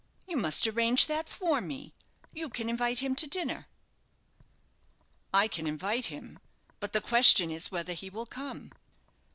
"You must arrange that for me. You can invite him to dinner." "I can invite him; but the question is whether he will come.